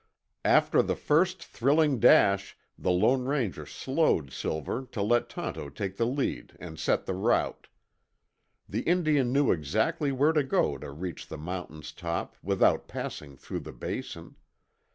After the first thrilling dash, the Lone Ranger slowed Silver to let Tonto take the lead and set the route. The Indian knew exactly where to go to reach the mountain's top without passing through the Basin.